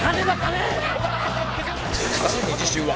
さらに次週は